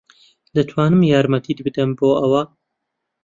دەتوانم یارمەتیت بدەم بۆ ئەوە؟